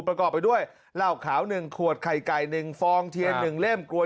ประกอบไปด้วยเหล้าขาว๑ขวดไข่ไก่๑ฟองเทียน๑เล่มกลวย